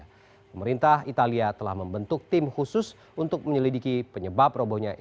pemerintah italia telah membentuk tim khusus untuk menyelidiki penyebab robohnya